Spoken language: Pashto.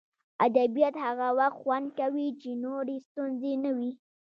ادبیات هغه وخت خوند کوي چې نورې ستونزې نه وي